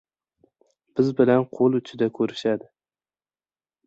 — Biz bilan qo‘l uchida ko‘rishadi.